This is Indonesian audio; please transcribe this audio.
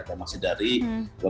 informasi dari bphtk